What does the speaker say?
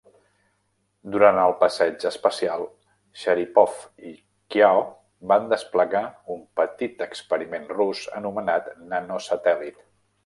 Durant el passeig espacial, Sharipov i Chiao van desplegar un petit experiment rus anomenat Nano satèl·lit